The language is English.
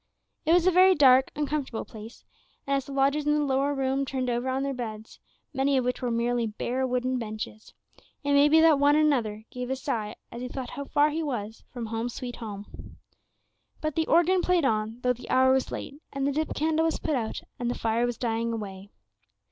It was a very dark, uncomfortable place, and as the lodgers in the lower room turned over on their wretched beds, many of which were merely bare wooden benches, it may be that one and another gave a sigh as he thought how far he was from "Home, sweet home." But the organ played on, though the hour was late, and the dip candle was put out, and the fire was dying away.